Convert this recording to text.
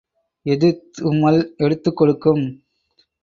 எதிர்த்தும்மல் எடுத்துக் கொடுக்கும்.